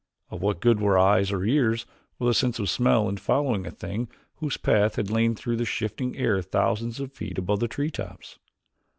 Of what good were eyes, or ears, or the sense of smell in following a thing whose path had lain through the shifting air thousands of feet above the tree tops?